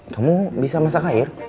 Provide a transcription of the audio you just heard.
kamu bisa masak air